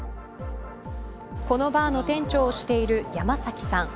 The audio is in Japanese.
このバーの店長をしている山崎さん。